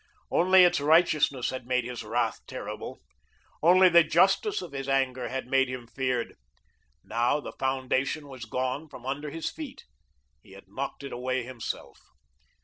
Only its righteousness had made his wrath terrible; only the justice of his anger had made him feared. Now the foundation was gone from under his feet; he had knocked it away himself.